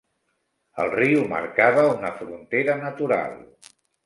El riu marcava una frontera natural.